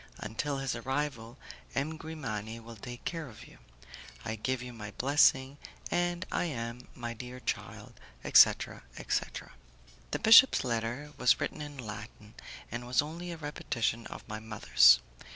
Until his arrival, M. Grimani will take care of you. I give you my blessing, and I am, my dear child, etc., etc." The bishop's letter was written in Latin, and was only a repetition of my mother's.